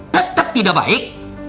tetep tidak baik